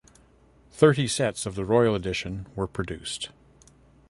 Thirty sets of the Royal edition were produced.